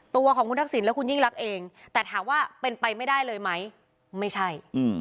ตัวของคุณทักษิณและคุณยิ่งรักเองแต่ถามว่าเป็นไปไม่ได้เลยไหมไม่ใช่